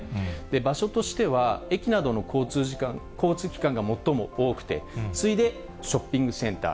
場所としては、駅などの交通機関が最も多くて、次いでショッピングセンター。